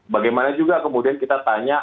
bagaimana juga kemudian kita tanya